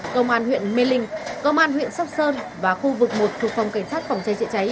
công an huyện mê linh công an huyện sóc sơn và khu vực một thuộc phòng cảnh sát phòng cháy chữa cháy